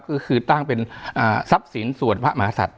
ก็คือตั้งเป็นทรัพย์สินสวดพระมหาศัตริย